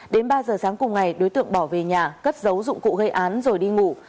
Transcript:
đến ba giờ sáng cùng ngày đối tượng bỏ về nhà cất giấu dụng cụ gây án rồi đi ngủ